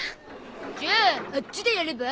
じゃああっちでやれば？